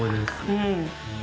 うん。